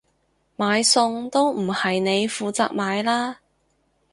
買餸都唔係你負責買啦？